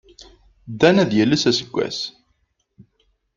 Dan ad yales aseggas!